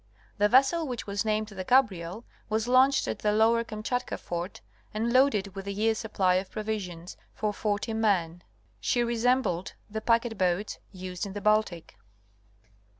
The vessel, which was named the Gabriel, was launched at the Lower Kamchatka fort and loaded with a year's supply of provisions for forty men (B. C. H. M.). She resembled the packet boats used in the Baltic.